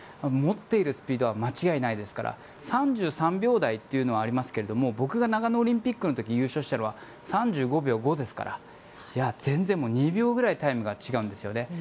持っているスピードは間違いないですから３３秒台とありますが僕が長野オリンピックで優勝した時は３５秒５ですから、全然２秒くらいタイムが違うんですよね。